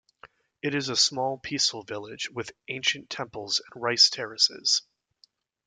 It is a small, peaceful village with ancient temples and rice terraces.